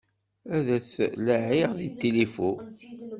Ad t-laɛiɣ deg tilifu.